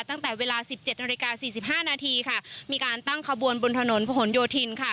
ตั้งแต่เวลา๑๗นาฬิกา๔๕นาทีค่ะมีการตั้งขบวนบนถนนผนโยธินค่ะ